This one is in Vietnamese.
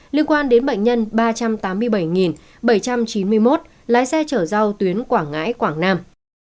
liên quan đến bệnh nhân ba trăm tám mươi bảy bảy trăm chín mươi một lái xe chở rau tuyến quảng ngãi quảng nam